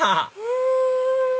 うん！